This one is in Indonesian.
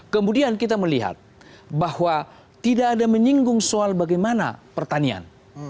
kemudian kita melihat bahwa tidak ada menyinggung soal bagaimana pertanian